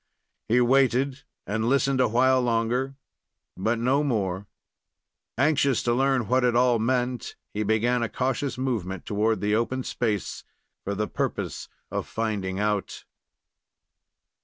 He waited and listened awhile longer, but no more. Anxious to learn what it all meant, he began a cautious movement toward the open space, for the purpose of finding out.